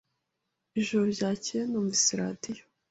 Ijoro ryakeye, numvise radio.